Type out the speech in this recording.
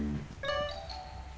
aku gak ada salah sama noni